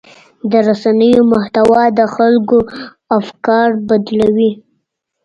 د رسنیو محتوا د خلکو افکار بدلوي.